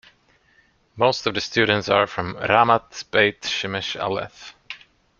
Most of the students are from Ramat Beit Shemesh Alef.